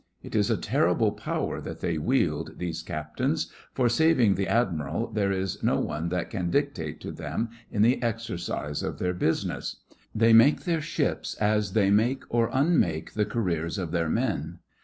It is a terrible power that they wield, these Captains, for, saving the Admiral, there is no one that can dictate to them in the exercise of their business. They make their ships as they make or unmake the careers of their men.